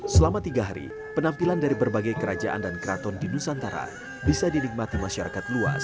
selama tiga hari penampilan dari berbagai kerajaan dan keraton di nusantara bisa dinikmati masyarakat luas